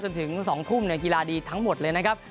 จนถึงสองทุ่มเนี่ยกีฬาดีทั้งหมดเลยนะครับ